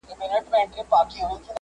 ته ځه ورځه چې تا ته پکښې پېخه نوره نه شي